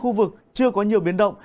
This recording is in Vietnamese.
khu vực chưa có nhiều biến động